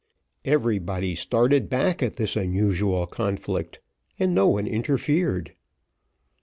Everybody started back at this unusual conflict, and no one interfered.